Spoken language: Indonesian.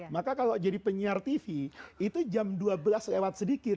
maka kalau jadi penyiar tv itu jam dua belas lewat sedikit